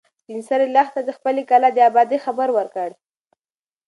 سپین سرې لښتې ته د خپلې کلا د ابادۍ خبر ورکړ.